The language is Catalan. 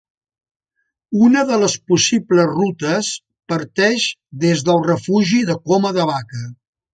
Una de les possibles rutes parteix des del Refugi de Coma de Vaca.